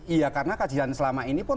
iya karena kajian selama ini pun